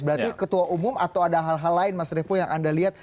berarti ketua umum atau ada hal hal lain mas revo yang anda lihat